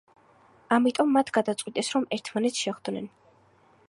ამიტომ მათ გადაწყვიტეს რომ ერთმანეთს შეხვდნენ.